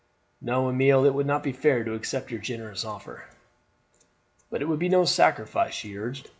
"No, Amelie, it would not be fair to accept your generous offer." "But it would be no sacrifice," she urged.